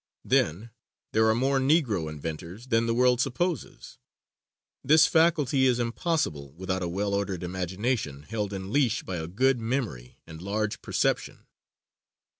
Then, there are more Negro inventors than the world supposes. This faculty is impossible without a well ordered imagination held in leash by a good memory and large perception.